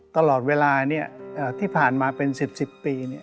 ตลอดเวลาเนี่ยที่ผ่านมาเป็นสิบปีเนี่ย